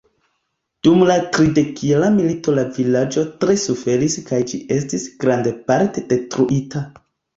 Dum la tridekjara milito la vilaĝo tre suferis kaj ĝi estis grandparte detruita.